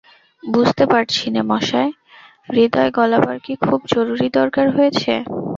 বুঝতে পারছি নে মশায়, হৃদয় গলাবার কি খুব জরুরি দরকার হয়েছে?